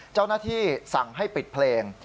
เจ้าหน้าที่สั่งให้ปิดเพลง